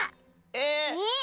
え？